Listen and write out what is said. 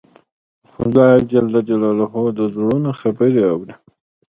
خدای د زړونو خبرې اوري.